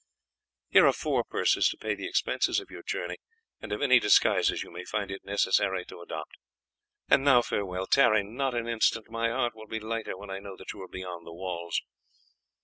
Here are four purses to pay the expenses of your journey and of any disguises you may find it necessary to adopt. And now farewell. Tarry not an instant, my heart will be lighter when I know that you are beyond the walls."